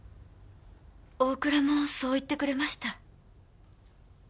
大倉もそう言ってくれました。